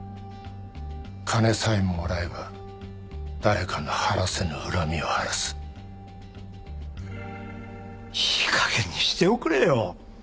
金さえもらえば誰かの晴らせぬ恨みを晴らすいいかげんにしておくれよ